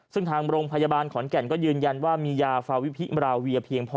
ซึ่งทางโรงพยาบาลขอนแก่นก็ยืนยันว่ามียาฟาวิพิราเวียเพียงพอ